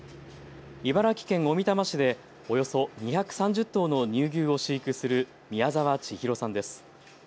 茨城県小美玉市でおよそ２３０頭の乳牛を飼育する宮澤智浩さんです。